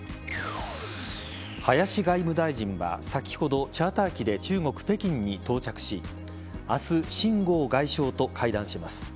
林外務大臣は先ほどチャーター機で中国・北京に到着し明日シン・ゴウ外相と会談します。